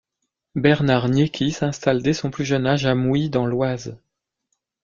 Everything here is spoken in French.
Bernard Gnecchi s'installe dès son plus jeune âge à Mouy dans l'Oise.